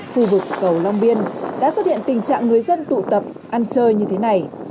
khu vực cầu long biên đã xuất hiện tình trạng người dân tụ tập ăn chơi như thế này